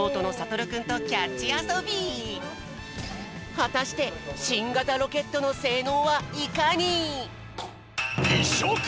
はたしてしんがたロケットのせいのうはいかに！？